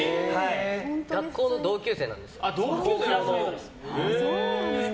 学校の同級生なんですよ。